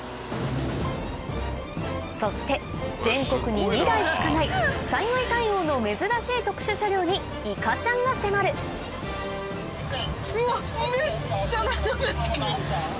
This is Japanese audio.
そして全国に２台しかない災害対応の珍しい特殊車両にいかちゃんが迫るうわっめっちゃ斜め。